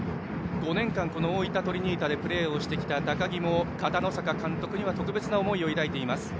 ５年間、大分トリニータでプレーしてきた高木も片野坂監督には特別な思いを抱いています。